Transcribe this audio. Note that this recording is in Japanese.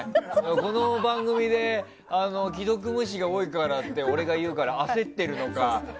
この番組で既読無視が多いからって俺が言うから焦っているのか。